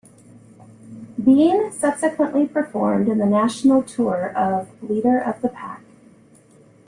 Bean subsequently performed in the national tour of "Leader of the Pack".